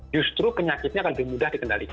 justru penyakitnya akan lebih mudah dikendalikan